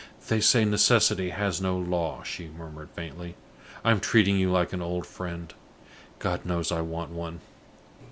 "They say necessity has no law," she murmured, faintly. "I am treating you like an old friend. God knows I want one!"